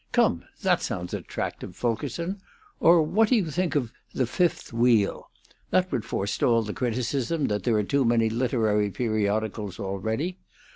Come, that sounds attractive, Fulkerson! Or what do you think of 'The Fifth Wheel'? That would forestall the criticism that there are too many literary periodicals already.